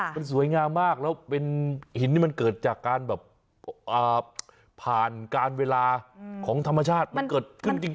มันสวยงามมากแล้วเป็นหินที่มันเกิดจากการแบบผ่านการเวลาของธรรมชาติมันเกิดขึ้นจริง